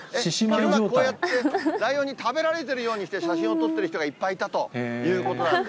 こうやってライオンに食べられてるようにして写真を撮ってる人がいっぱいいたということなんで。